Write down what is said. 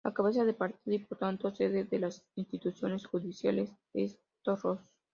La cabeza de partido y por tanto sede de las instituciones judiciales es Torrox.